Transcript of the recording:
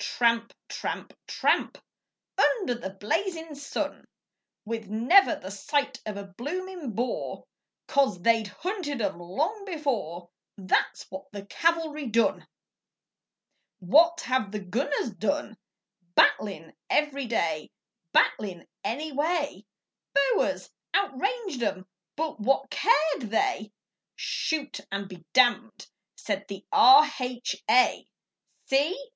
Tramp, tramp, tramp Under the blazin' sun, With never the sight of a bloomin' Boer, 'Cause they'd hunted 'em long before That's what the cavalry done! What have the gunners done Battlin' every day, Battlin' any way. Boers outranged 'em, but what cared they? 'Shoot and be damned,' said the R.H.A.! See!